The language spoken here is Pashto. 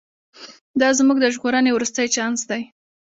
دا زموږ د ژغورنې وروستی چانس دی.